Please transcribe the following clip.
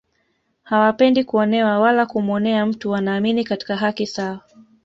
Hawapendi kuonewa wala kumuonea mtu wanaamini katika haki sawa